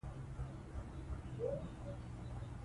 ازادي راډیو د حیوان ساتنه د اړونده قوانینو په اړه معلومات ورکړي.